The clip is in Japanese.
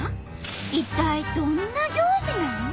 一体どんな行事なん？